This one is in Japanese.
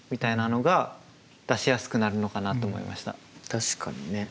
確かにね。